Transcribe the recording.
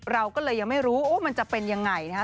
เราก็เลยยังไม่รู้ว่ามันจะเป็นยังไงนะฮะ